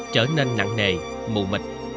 trở nên nặng nề mù mịch